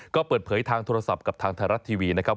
ก็เปิดเผยทางโทรศัพท์กับทางไทยรัฐทีวีนะครับ